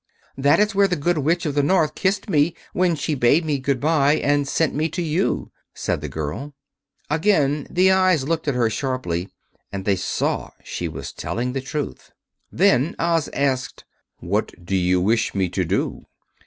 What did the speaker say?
"That is where the Good Witch of the North kissed me when she bade me good bye and sent me to you," said the girl. Again the eyes looked at her sharply, and they saw she was telling the truth. Then Oz asked, "What do you wish me to do?"